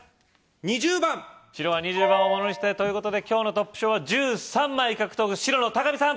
２０番白が２０番をものにしてということで今日のトップ賞は１３枚獲得白の高見さん